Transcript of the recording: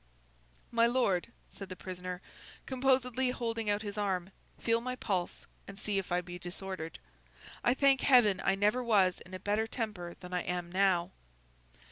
'My lord,' said the prisoner, composedly holding out his arm, 'feel my pulse, and see if I be disordered. I thank Heaven I never was in better temper than I am now.